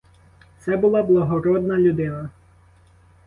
Це була благородна людина.